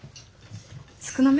少なめ？